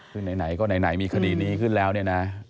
คือไหนก็ไหนมีคดีนี้ขึ้นแล้วเนี่ยนะ